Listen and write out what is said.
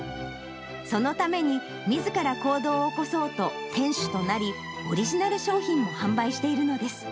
そのためにみずから行動を起こそうと店主となり、オリジナル商品を販売しているのです。